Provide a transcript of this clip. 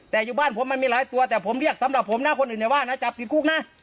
แต่อยู่บ้านผมมันมีหลายตัวแต่ผมเรียกสำหรับผมนะคนอื่นอย่าว่านะจับติดคุกนะ